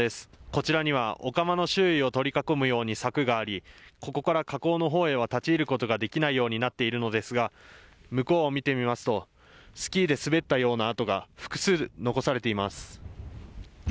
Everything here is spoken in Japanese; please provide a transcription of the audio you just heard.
こちらにはお釜の周囲を取り囲むように柵がありここから河口のほうへは立ち入ることができないようになっているのですが向こうを見てみますとスキーで滑ったような跡が複数残されています。